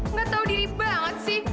nggak tahu diri banget sih